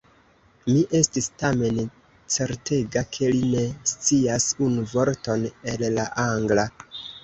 Mi estis tamen certega, ke li ne scias unu vorton el la Angla.